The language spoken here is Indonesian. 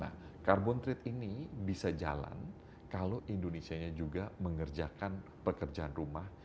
nah carbon trade ini bisa jalan kalau indonesia nya juga mengerjakan pekerjaan rumah